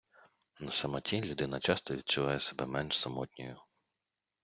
На самоті людина часто відчуває себе менш самотньою